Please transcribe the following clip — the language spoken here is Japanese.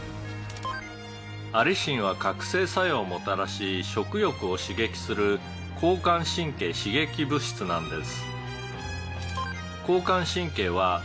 「アリシンは覚醒作用をもたらし食欲を刺激する交感神経刺激物質なんです」